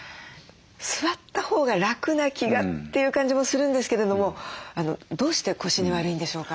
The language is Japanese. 座ったほうが楽な気がっていう感じもするんですけれどもどうして腰に悪いんでしょうか？